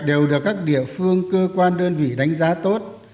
đều được các địa phương cơ quan đơn vị đánh giá tốt